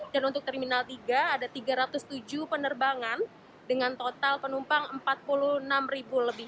dan untuk terminal tiga ada tiga ratus tujuh penerbangan dengan total penumpang empat puluh enam lebih